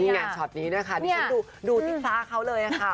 นี่ไงชอตนี้นะคะนี่ฉันดูติดตาเขาเลยค่ะ